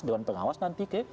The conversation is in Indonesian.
dewan pengawas nanti ke